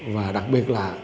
và đặc biệt là